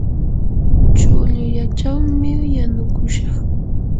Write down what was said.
kuchullachawmi yanukushaq.